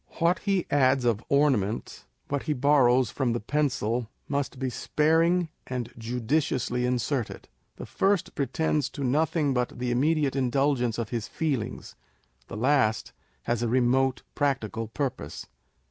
What he adds of ornament, what he borrows from the pencil, must be sparing, and judi On the Prose Style of Poets. 7 ciously inserted. The first pretends to nothing but the immediate indulgence of his feelings : the last has a remote practical purpose.